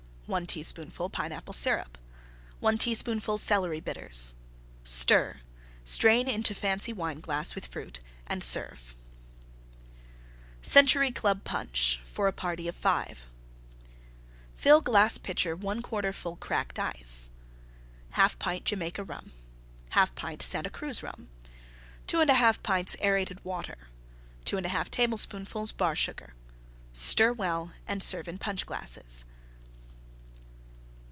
1 teaspoonful Pineapple Syrup. 1 teaspoonful Celery Bitters. Stir; strain into Fancy Wineglass with Fruit and serve. CENTURY CLUB PUNCH (for a party of 5) Fill glass Pitcher 1/4 full Cracked Ice. 1/2 pint Jamaica Rum. 1/2 pint Santa Cruz Rum. 2 1/2 pints aerated Water. 2 1/2 tablespoonfuls Bar Sugar. Stir well and serve in Punch glasses.